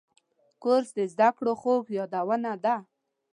کورس د زده کړو خوږ یادونه ده.